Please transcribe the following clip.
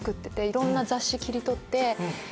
いろんな雑誌切り取って。